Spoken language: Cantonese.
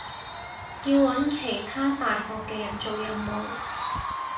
要搵其他大學嘅人做任務